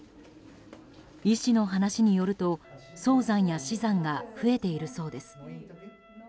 医師の話によると、早産や死産が増えているそうです。